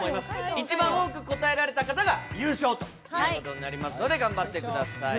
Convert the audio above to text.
一番多く答えられた方が優勝ということになりますので、頑張ってください。